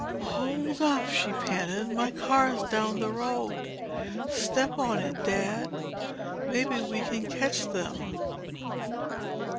"H holdup," she panted. "My car's down the road. Step on it, Dad—maybe we can catch them."